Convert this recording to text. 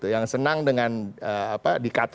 yang senang dengan dikatrol oleh orang tua